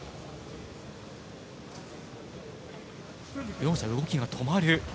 両者、動きが止まる。